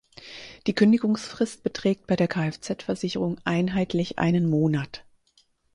Die Kündigungsfrist beträgt bei der Kfz-Versicherung einheitlich einen Monat.